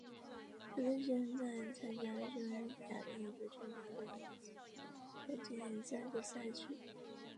球队现在参加匈牙利足球甲级联赛的赛事。